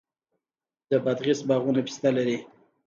د بادغیس باغونه پسته لري.